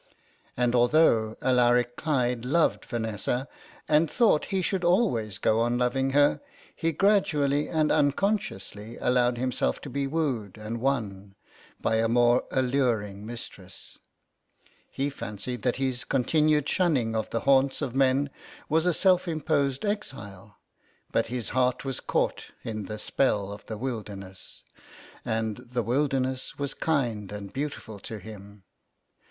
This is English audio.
And although Alaric Clyde loved Vanessa, and thought he should always go on loving her, he gradually and uncon sciously allowed himself to be wooed and won by a more alluring mistress ; he fancied that his continued shunning of the haunts of men was a self imposed exile, but his heart was caught in the spell of the Wilderness, and the Wilderness was kind and beautiful to him.